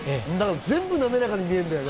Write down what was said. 全部なめらかに見えるんだよね。